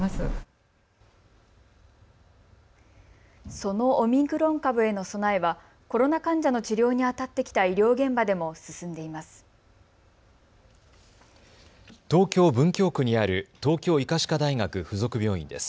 そのオミクロン株への備えはコロナ患者の治療にあたってきた医療現場でも進んでいます。